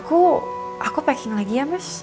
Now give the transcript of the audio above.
aku aku pasing lagi ya mas